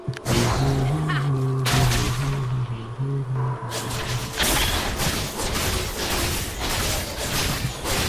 His third daughter is Katerina Mitsotakis.